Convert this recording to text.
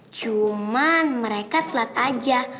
cuman mereka telat aja